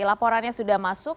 laporannya sudah masuk